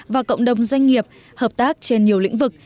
và cộng đồng doanh nghiệp hợp tác trên nhiều lĩnh vực